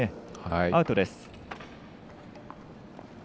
アウトです。